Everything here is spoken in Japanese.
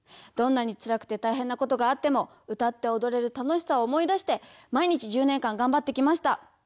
どんなにつらくて大変なことがあっても歌っておどれる楽しさを思い出して毎日１０年間がんばってきました。